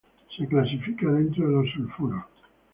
Se clasifica dentro de los sulfuros.